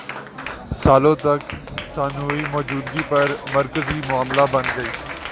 سالوں تک ثانوی موجودگی پر مرکزی معاملہ بن گئے